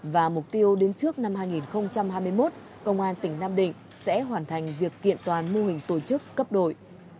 và mục tiêu đến trước năm hai nghìn hai mươi một công an tỉnh nam định sẽ hoàn thành việc kiện toàn mô hình tổ chức cấp đội